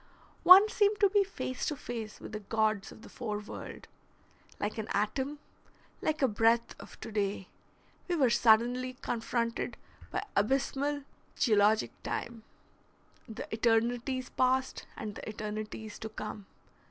One seemed to be face to face with the gods of the fore world. Like an atom, like a breath of to day, we were suddenly confronted by abysmal geologic time, the eternities past and the eternities to come.